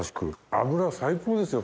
脂最高ですよ